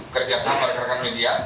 kerjasama rekan rekan media